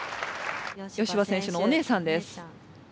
吉葉選手のお姉さんです。